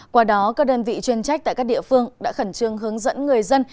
qua đó các đơn vị chuyên trách tại các địa phương đã khẩn trương hướng dẫn người dân